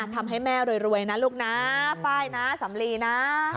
ทำให้แมวรวยลูกนะฟ้าและสำลีนะ